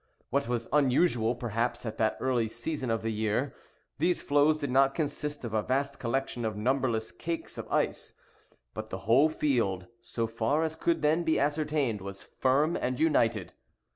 What was unusual, perhaps, at that early season of the year, these floes did not consist of a vast collection of numberless cakes of ice, but the whole field, so far as could then be ascertained, was firm and united.